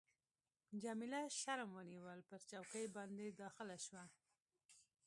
جميله شرم ونیول، پر چوکۍ باندي داخله شوه.